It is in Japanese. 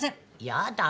やだ。